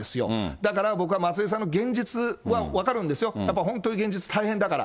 だから、僕は松井さんの現実は分かるんですよ、本当に現実、大変だから。